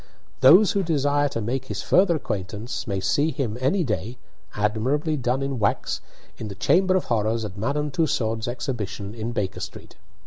Those who desire to make his further acquaintance may see him any day (admirably done in wax) in the Chamber of Horrors at Madame Tussaud's exhibition, in Baker Street.